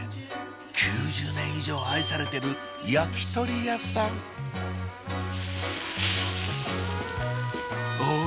９０年以上愛されてる焼き鳥屋さんお！